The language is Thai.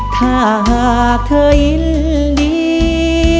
ถ้าหากเธอยินดี